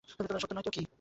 সত্য নয় তো কী!